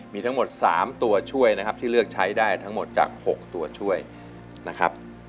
มีทั้งหมด๓ตัวช่วยนะครับที่เลือกใช้ได้ทั้งหมดจาก๖ตัวช่วยนะครับ